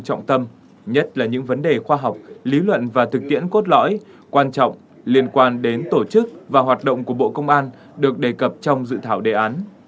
quan trọng nhất là những vấn đề khoa học lý luận và thực tiễn cốt lõi quan trọng liên quan đến tổ chức và hoạt động của bộ công an được đề cập trong dự thảo đề án